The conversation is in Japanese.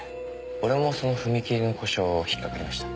俺もその踏切の故障引っかかりました。